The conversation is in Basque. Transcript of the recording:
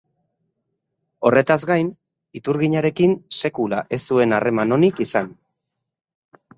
Horretaz gain, iturginarekin sekula ez zuen harreman onik izan.